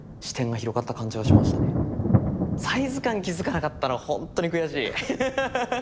サイズ感に気付かなかったのほんとに悔しい。